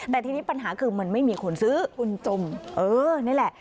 แต่ทีนี้ปัญหาคือมันไม่มีคนซื้อคนจมเออนี่แหละ